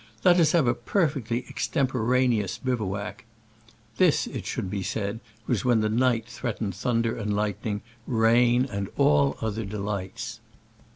Let us have a perfectly extemporaneous bivouac. This, it should be said, was when the night threatened thunder and lightning, rain and all other delights.